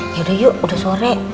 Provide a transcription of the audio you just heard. yaudah yuk udah sore